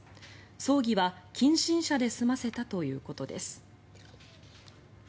葬儀は、近親者で済ませたということです。